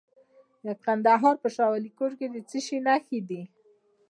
د کندهار په شاه ولیکوټ کې د څه شي نښې دي؟